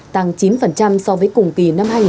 tăng chín so với cùng kỳ